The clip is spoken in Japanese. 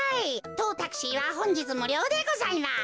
とうタクシーはほんじつむりょうでございます。